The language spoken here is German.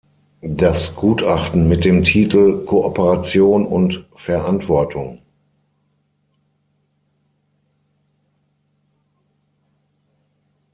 Das Gutachten mit dem Titel "Kooperation und Verantwortung.